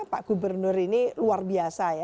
pak gubernur ini luar biasa ya